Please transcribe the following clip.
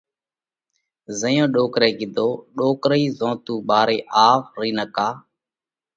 زئيون ڏوڪرئہ ڪيڌو: ڏوڪرئِي زون تُون ٻارئِي آوَ رئِي نڪا